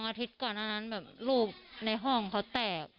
อาทิตย์ก่อนนั้นแบบลูกในห้องเขาแตก